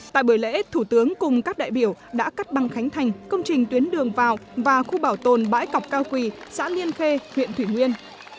tại bữa lễ thủ tướng cùng các đại biểu đã cắt băng khánh thành công trình tuyến đường vào và khu bảo tồn bãi cọc cao quỳ xã liên khê huyện thủy nguyên